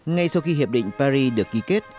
ngay sau khi hiệp định paris được ký kết